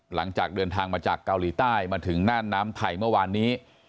หลังจากเดินทางมาจากเกาหลีใต้มาถึงน่านน้ำไทยเมื่อวานนี้